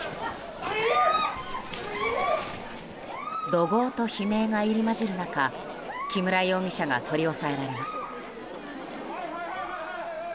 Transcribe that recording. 怒号と悲鳴が入り混じる中木村容疑者が取り押さえられます。